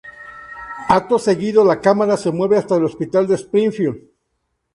Acto seguido, la cámara se mueve hasta el hospital de Springfield.